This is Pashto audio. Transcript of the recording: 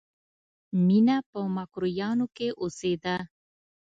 مینه په مکروریانو کې اوسېده